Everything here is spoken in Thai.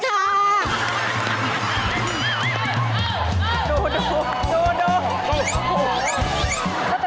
เกมรับจำนำ